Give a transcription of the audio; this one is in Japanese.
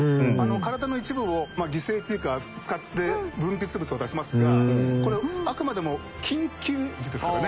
体の一部を犠牲っていうか使って分泌物を出しますがこれあくまでも緊急時ですからね。